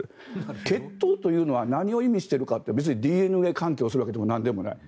血統というのは何を意味しているか別にＤＮＡ鑑定をするわけでもなんでもない。